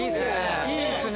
いいっすね。